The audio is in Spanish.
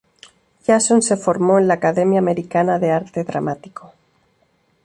Jason se formó en la Academia Americana de Arte Dramático.